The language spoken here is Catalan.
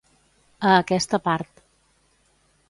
A aquesta part.